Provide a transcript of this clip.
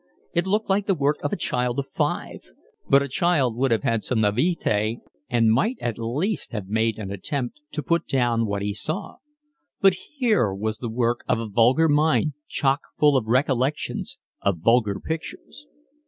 It looked like the work of a child of five, but a child would have had some naivete and might at least have made an attempt to put down what he saw; but here was the work of a vulgar mind chock full of recollections of vulgar pictures.